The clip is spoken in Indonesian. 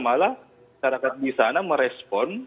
malah masyarakat di sana merespon